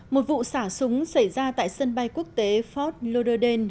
một vụ xả súng xảy ra tại sân bay quốc tế fort lauderdale